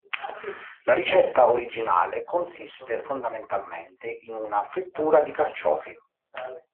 La ricetta originale consiste, fondamentalmente, in una frittura di carciofi.